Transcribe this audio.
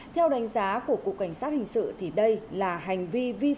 theo đánh giá của cục cảnh sát hình sự đây là hành vi vi phạm pháp luật